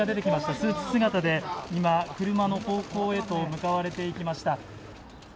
スーツ姿で今、車の方向へと向かわれていきました。